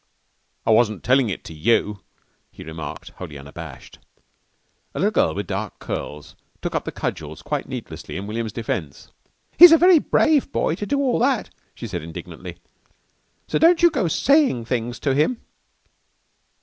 "I wasn't tellin' it to you," he remarked, wholly unabashed. A little girl with dark curls took up the cudgels quite needlessly in William's defence. "He's a very brave boy to do all that," she said indignantly. "So don't you go saying things to him."